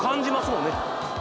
もんね